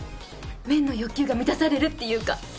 麺の欲求が満たされるっていうか。